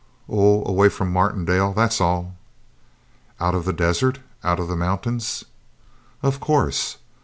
"Oh, away from Martindale, that's all." "Out of the desert? Out of the mountains?" "Of course.